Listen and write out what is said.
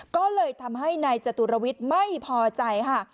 ก็เลยทำให้นายจตุรวิทย์ไม่พอใจค่ะ